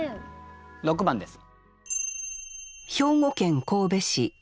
６番です。